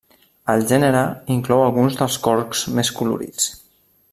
El gènere inclou alguns dels corcs més colorits.